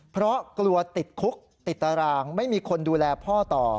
เพราะกลัวติดคุกติดตารางไม่มีคนดูแลพ่อต่อ